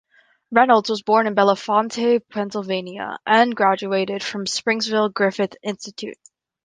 Reynolds was born in Bellefonte, Pennsylvania, and graduated from the Springville-Griffith Institute.